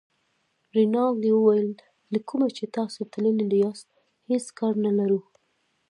رینالډي وویل له کومه چې تاسي تللي یاست هېڅ کار نه لرو.